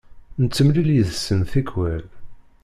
Nettemlil yid-sen tikwal.